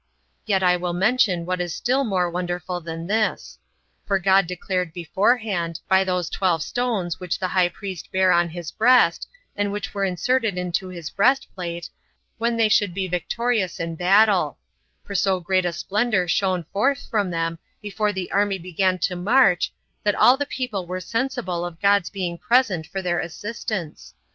Yet will I mention what is still more wonderful than this: for God declared beforehand, by those twelve stones which the high priest bare on his breast, and which were inserted into his breastplate, when they should be victorious in battle; for so great a splendor shone forth from them before the army began to march, that all the people were sensible of God's being present for their assistance.